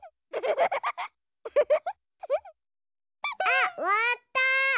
あっわらった！